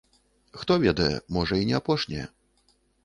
Хто ведае, можа, і не апошняя.